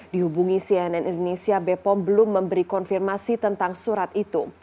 dihubungi cnn indonesia bepom belum memberi konfirmasi tentang surat itu